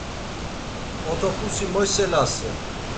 Otopusi moyselasen.